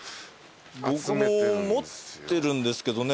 僕も持ってるんですけどね